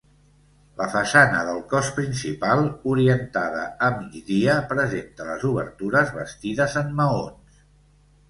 La façana del cos principal, orientada a migdia, presenta les obertures bastides en maons.